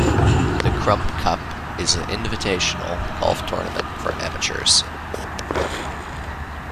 The Crump Cup is an invitational golf tournament for amateurs.